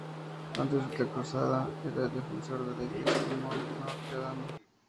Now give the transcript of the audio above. Antes de la cruzada era el defensor de la Iglesia de Mont-Notre-Dame.